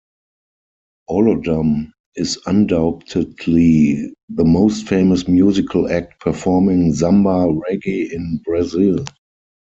Olodum is undoubtedly the most famous musical act performing samba-reggae in Brazil.